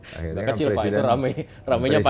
nggak kecil pak itu ramainya panjang pak